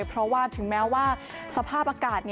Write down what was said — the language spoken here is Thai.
เพราะว่าถึงแม้ว่าสภาพอากาศ